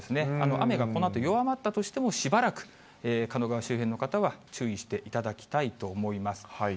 雨がこのあと弱まったとしても、しばらく狩野川周辺の方は注意していただきたいと思います。